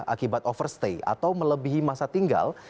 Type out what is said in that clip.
akibat overstay atau melebihi masa tinggal